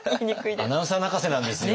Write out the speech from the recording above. アナウンサー泣かせなんですよ。